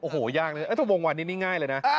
โหย่างเลยฟังว่านี้นี้ง่ายเลยฮะ